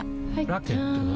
ラケットは？